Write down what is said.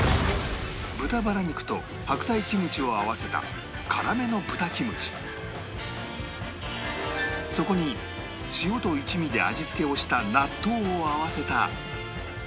豚バラ肉と白菜キムチを合わせたそこに塩と一味で味付けをした納豆を合わせた